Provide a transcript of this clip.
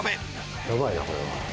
やばいな、これは。